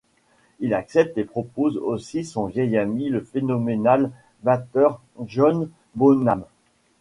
Il accepte et propose aussi son vieil ami le phénoménal batteur John Bonham.